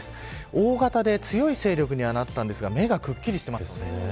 大型の強い勢力になっていますが目がくっきりしています。